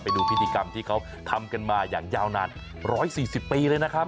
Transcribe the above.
ไปดูพิธีกรรมที่เขาทำกันมาอย่างยาวนาน๑๔๐ปีเลยนะครับ